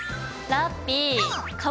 ラッピィ。